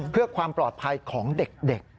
เพื่อความปลอดภัยของเด็ก